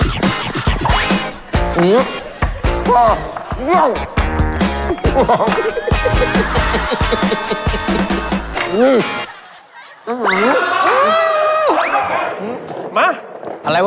น่าตุ้นน่ารัก